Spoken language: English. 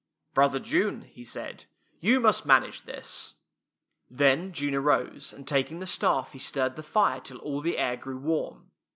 " Brother June," he said, " you must man age this." Then June arose, and taking the staff he stirred the fire till all the air grew warm.